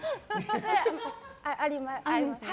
あります。